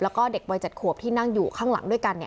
แล้วก็เด็กวัย๗ขวบที่นั่งอยู่ข้างหลังด้วยกัน